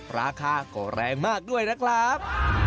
ราคาก็แรงมากด้วยนะครับ